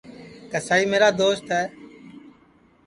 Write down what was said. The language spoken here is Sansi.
کسائی میرا دوست ہے